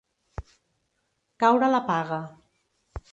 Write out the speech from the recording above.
Caure la paga.